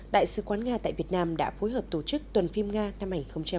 đại sứ quán nga tại việt nam đã phối hợp tổ chức tuần phim nga năm hai nghìn hai mươi